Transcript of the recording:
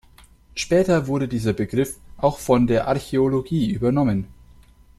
Später wurde dieser Begriff auch von der Archäologie übernommen.